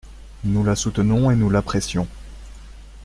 Nous la soutenons et nous l’apprécions.